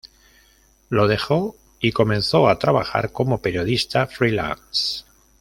Lo dejó y comenzó a trabajar como periodista freelance.